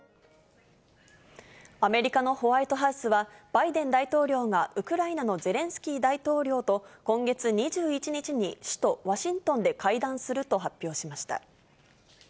アメリカのホワイトハウスは、バイデン大統領がウクライナのゼレンスキー大統領と今月２１日に首都ワシントンで会談すると発表しました。